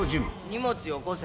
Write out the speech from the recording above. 荷物よこせ。